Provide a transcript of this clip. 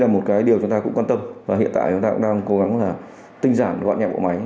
là một cái điều chúng ta cũng quan tâm và hiện tại chúng ta cũng đang cố gắng là tinh giản gọn nhẹ bộ máy